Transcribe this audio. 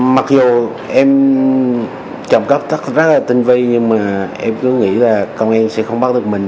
mặc dù em trộm cắp rất là tinh vi nhưng mà em cứ nghĩ là công an sẽ không bắt được mình